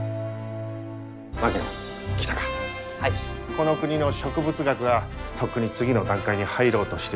この国の植物学はとっくに次の段階に入ろうとしている。